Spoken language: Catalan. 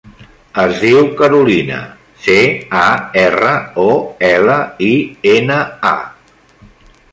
Es diu Carolina: ce, a, erra, o, ela, i, ena, a.